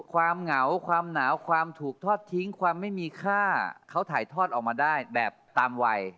เหงาความหนาวความถูกทอดทิ้งความไม่มีค่าเขาถ่ายทอดออกมาได้แบบตามวัย